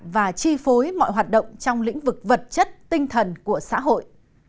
và chi phối mọi hoạt động trong lĩnh vực vật chất tinh thần của xã hội